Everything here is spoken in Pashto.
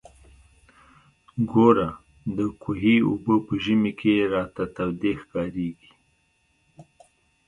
ګوره د کوهي اوبه په ژمي کښې راته تودې ښکارېږي.